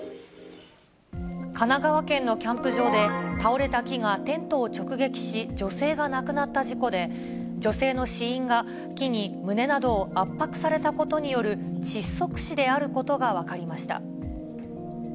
神奈川県のキャンプ場で、倒れた木がテントを直撃し、女性が亡くなった事故で、女性の死因が、木に胸などを圧迫されたことによる窒息死であることが分かりました。